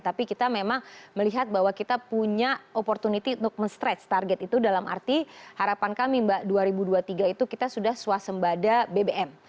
tapi kita memang melihat bahwa kita punya opportunity untuk men stretch target itu dalam arti harapan kami mbak dua ribu dua puluh tiga itu kita sudah swasembada bbm